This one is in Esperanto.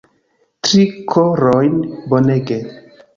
Tri korojn, bonege